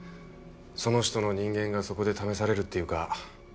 その人の人間がそこで試されるっていうか。